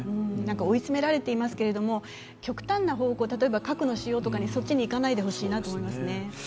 追い詰められていますけれども極端は方向、例えば核の使用とか、そっちに行かないでほしいなと思いますね。